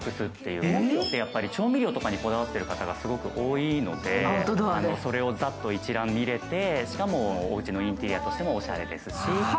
調味料とかにこだわっている方がすごく多いので、それをざっと一覧に入れて、しかもおうちのインテリアとしてもおしゃれですし。